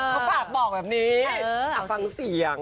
เขาฝากบอกแบบนี้ฟังเสียง